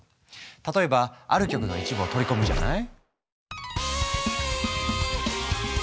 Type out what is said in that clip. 例えばある曲の一部を取り込むじゃない？